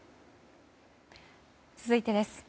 続いてです。